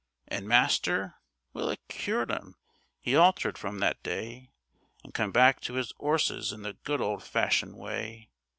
And master? Well, it cured 'im. 'E altered from that day, And come back to 'is 'orses in the good old fashioned way.